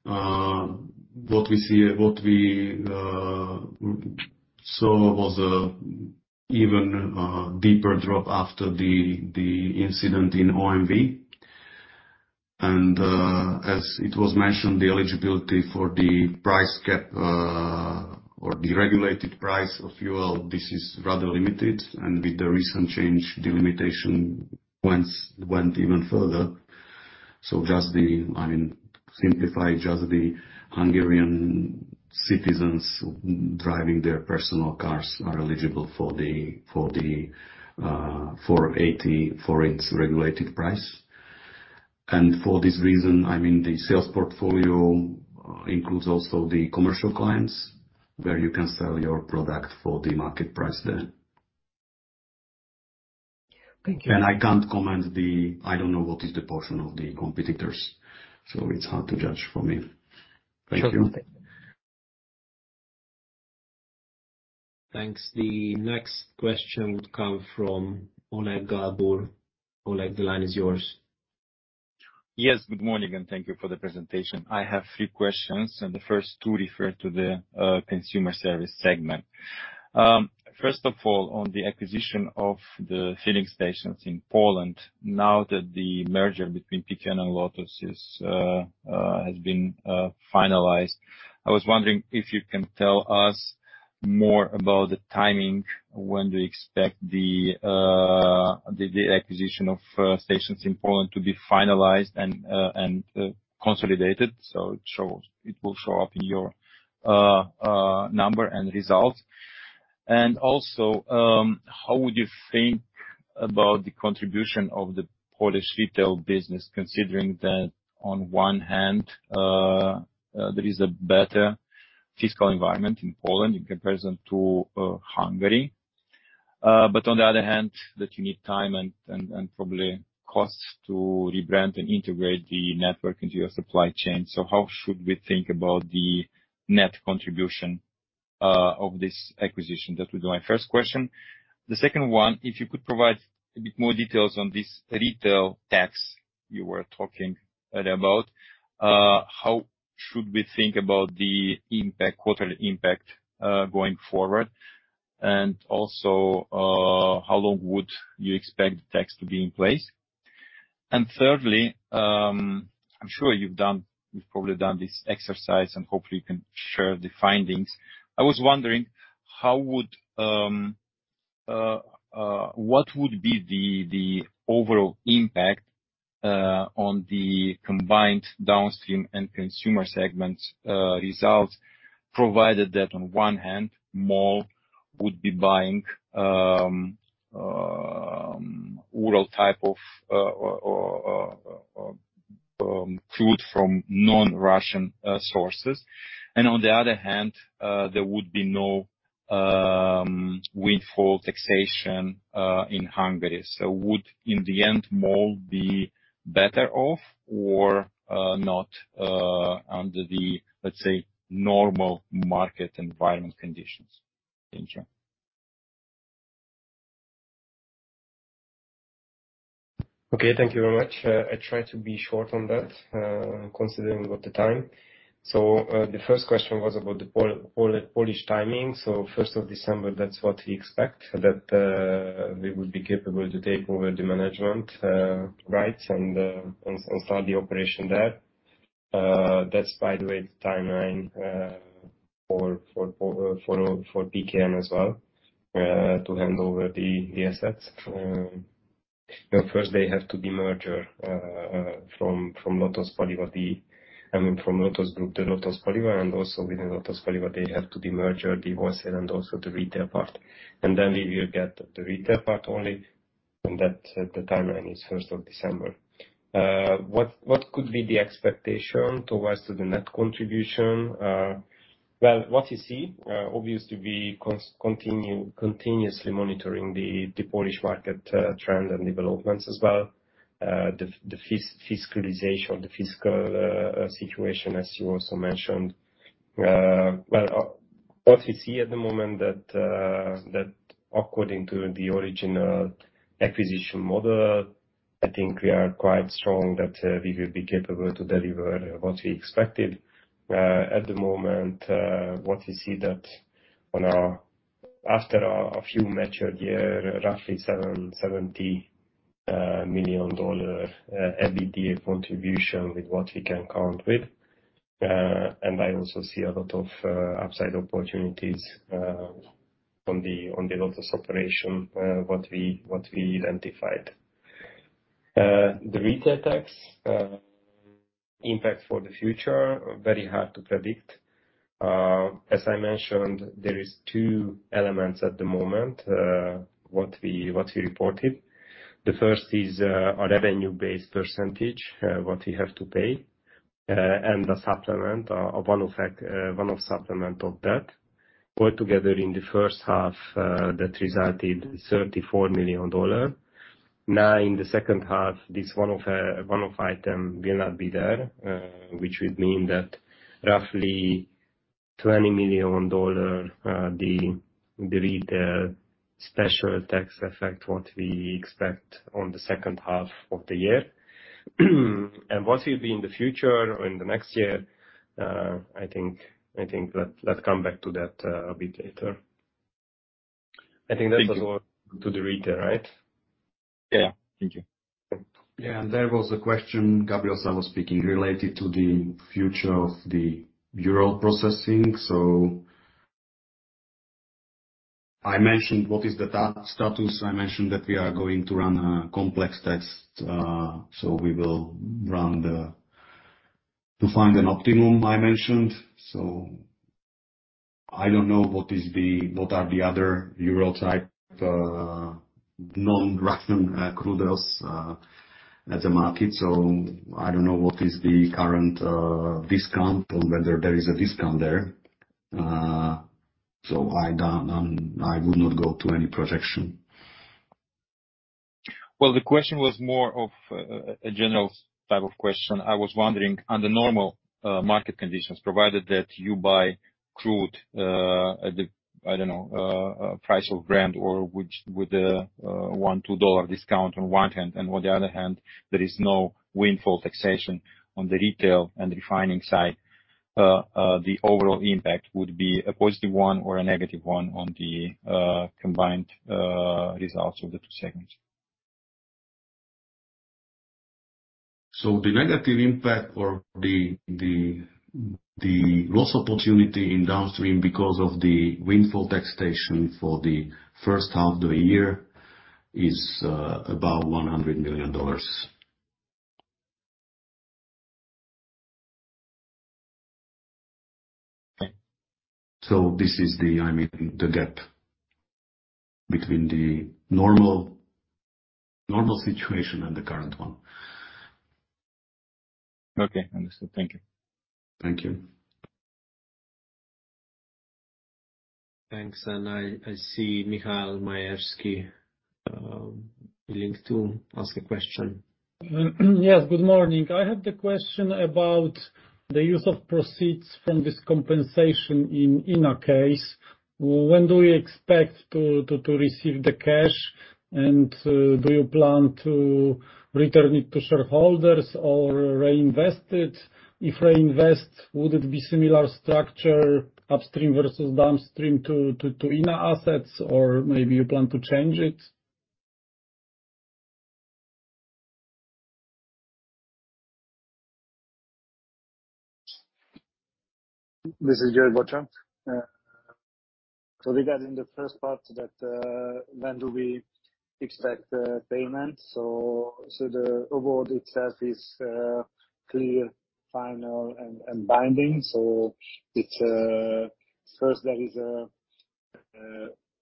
What we saw was an even deeper drop after the incident in OMV. As it was mentioned, the eligibility for the price cap or the regulated price of fuel, this is rather limited. With the recent change, the limitation went even further. I mean, simply, just the Hungarian citizens driving their personal cars are eligible for the 80% regulated price. For this reason, I mean, the sales portfolio includes also the commercial clients, where you can sell your product for the market price there. Thank you. I can't comment. I don't know what is the portion of the competitors, so it's hard to judge for me. Thank you. Sure. Thank you. Thanks. The next question would come from Oleg Galbur. Oleg, the line is yours. Yes. Good morning, and thank you for the presentation. I have three questions, and the first two refer to the consumer service segment. First of all, on the acquisition of the filling stations in Poland, now that the merger between Unipetrol and Lotos has been finalized, I was wondering if you can tell us more about the timing when to expect the acquisition of stations in Poland to be finalized and consolidated. It will show up in your number and result. Also, how would you think about the contribution of the Polish retail business, considering that on one hand, there is a better fiscal environment in Poland in comparison to Hungary, but on the other hand, that you need time and and probably costs to rebrand and integrate the network into your supply chain. How should we think about the net contribution of this acquisition? That would be my first question. The second one, if you could provide a bit more details on this retail tax you were talking earlier about, how should we think about the impact, quarterly impact, going forward, and also, how long would you expect the tax to be in place? Thirdly, I'm sure you've probably done this exercise, and hopefully you can share the findings. I was wondering, what would be the overall impact on the combined downstream and consumer segments results, provided that on one hand, MOL would be buying Urals type of crude from non-Russian sources, and on the other hand, there would be no windfall taxation in Hungary. Would, in the end, MOL be better off or not under the, let's say, normal market environment conditions? Thank you. Okay, thank you very much. I try to be short on that, considering about the time. The first question was about the Polish timing. First of December, that's what we expect, that we will be capable to take over the management rights and start the operation there. That's by the way, the timeline for Unipetrol as well, to hand over the assets. You know, first they have to de-merger from Lotos Paliwa. I mean from Grupa Lotos to Lotos Paliwa, and also within Lotos Paliwa, they have to de-merger the wholesale and also the retail part. Then we will get the retail part only, and that the timeline is first of December. What could be the expectation towards the net contribution? Well, what you see, obviously we continuously monitoring the Polish market trend and developments as well. The fiscalization, the fiscal situation as you also mentioned. What we see at the moment that according to the original acquisition model, I think we are quite strong that we will be capable to deliver what we expected. At the moment, what you see that after a few mature years, roughly $70 million EBITDA contribution with what we can count with. I also see a lot of upside opportunities on the Lotos operation what we identified. The retail tax impact for the future, very hard to predict. As I mentioned, there is two elements at the moment, what we reported. The first is a revenue-based percentage what we have to pay, and the supplement, a one-off supplement of that. All together in the first half, that resulted $34 million. Now, in the second half, this one-off item will not be there, which would mean that roughly $20 million, the retail special tax affect what we expect on the second half of the year. What will be in the future or in the next year, I think let's come back to that, a bit later. I think that was all to the retail, right? Yeah. Thank you. Yeah and there was a question, Gabriel Szabó speaking, related to the future of the Urals processing. I mentioned what is the status. I mentioned that we are going to run a complex test. We will run to find an optimum, I mentioned. I don't know what are the other Urals type non-Russian crudes at the market. I don't know what is the current discount or whether there is a discount there. I would not go to any projection. Well, the question was more of a general type of question. I was wondering, under normal market conditions, provided that you buy crude at the, I don't know, price of Brent with the $1-$2 discount on one hand, and on the other hand, there is no windfall taxation on the retail and refining side. The overall impact would be a positive one or a negative one on the combined results of the two segments. The negative impact or the loss opportunity in downstream because of the windfall taxation for the first half of the year is about $100 million. This is, I mean, the gap between the normal situation and the current one. Okay. Understood. Thank you. Thank you. Thanks. I see Michal Majersky willing to ask a question. Yes. Good morning. I have the question about the use of proceeds from this compensation in INA case. When do we expect to receive the cash? Do you plan to return it to shareholders or reinvest it? If reinvest, would it be similar structure upstream versus downstream to INA assets, or maybe you plan to change it? This is György Bacsa. Regarding the first part that when do we expect payment. The award itself is clear, final and binding. It's first there is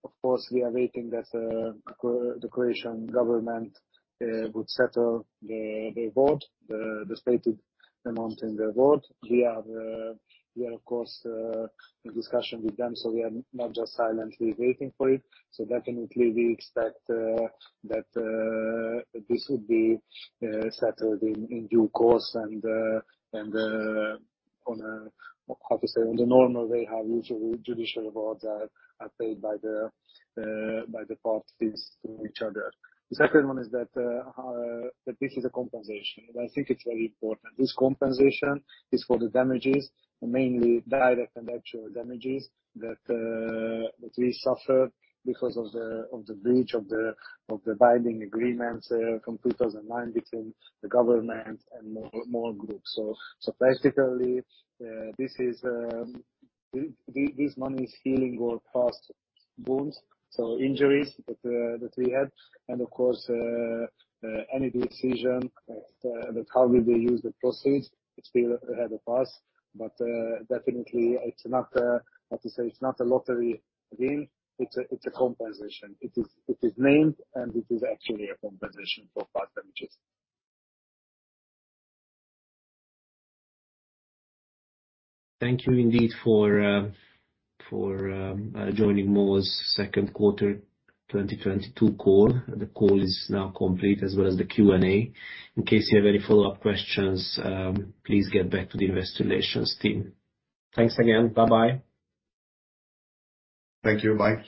of course we are waiting that the Croatian government would settle the award. The stated amount in the award. We are of course in discussion with them, so we are not just silently waiting for it. Definitely we expect that this would be settled in due course and on a, how to say, on the normal way, how usual judicial awards are paid by the parties to each other. The second one is that this is a compensation. I think it's very important. This compensation is for the damages, mainly direct and actual damages that we suffered because of the breach of the binding agreement from 2009 between the government and MOL Group. Basically, this is, these money is healing our past wounds, so injuries that we had. Of course, any decision that how we will use the proceeds is still ahead of us. Definitely it's not, how to say, it's not a lottery win, it's a compensation. It is named, and it is actually a compensation for past damages. Thank you indeed for joining MOL's second quarter 2022 call. The call is now complete, as well as the Q&A. In case you have any follow-up questions, please get back to the Investor Relations team. Thanks again. Bye-bye. Thank you. Bye.